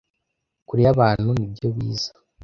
kure yabantu nibyo biza